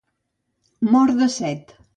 Mort de set.